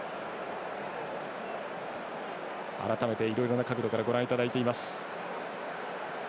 改めて、いろいろな角度からご覧いただきました。